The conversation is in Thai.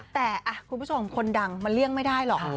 แต่คุณผู้ชมคนดังมันเลี่ยงไม่ได้หรอก